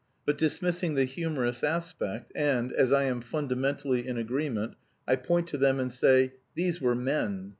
But dismissing the humorous aspect, and, as I am fundamentally in agreement, I point to them and say these were men!